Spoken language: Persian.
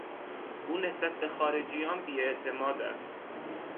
او نسبت به خارجیان بیاعتماد است.